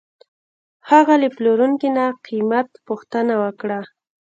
هغه له پلورونکي نه قیمت پوښتنه وکړه.